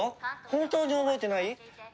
本当に覚えてない？